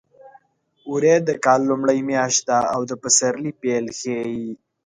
وری د کال لومړۍ میاشت ده او د پسرلي پیل ښيي.